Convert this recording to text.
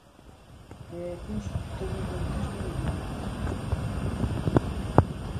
Para algúns, todo un bautismo de lume.